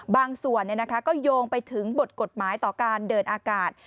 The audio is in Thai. บางส่วนก็โยงไปถึงบทกฎหมายต่อการเดินอากาศ